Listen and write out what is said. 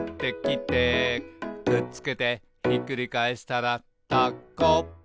「くっつけてひっくり返したらタコ」